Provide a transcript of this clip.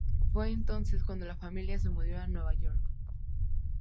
Fue entonces cuando la familia se mudó a Nueva York.